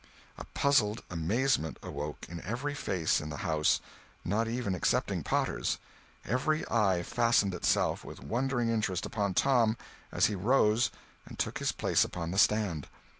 A puzzled amazement awoke in every face in the house, not even excepting Potter's. Every eye fastened itself with wondering interest upon Tom as he rose and took his place upon the stand.